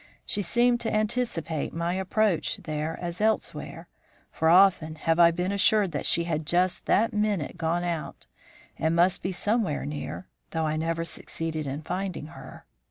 She seemed to anticipate my approach there as elsewhere, for often have I been assured that she had just that minute gone out, and must be somewhere near, though I never succeeded in finding her.